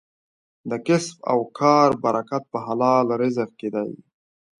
د کسب او کار برکت په حلال رزق کې دی.